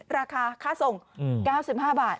ราคาค่าส่ง๙๕บาท